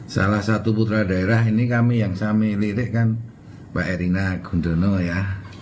salah satu putra daerah ini kami yang saya milihkan pak erina gudono ya